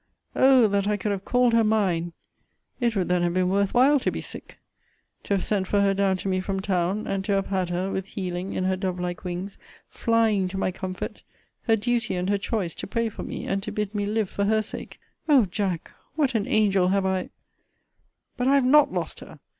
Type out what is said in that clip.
Oh! that I could have called her mine! it would then have been worth while to be sick! to have sent for her down to me from town; and to have had her, with healing in her dove like wings, flying to my comfort; her duty and her choice to pray for me, and to bid me live for her sake! O Jack! what an angel have I But I have not lost her!